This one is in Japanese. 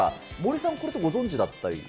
森さん、これってご存じだったり？